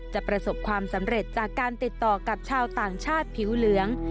ประสบความสำเร็จจากการติดต่อกับชาวต่างชาติผิวเหลือง